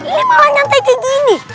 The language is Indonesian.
ini malah nyantai kayak gini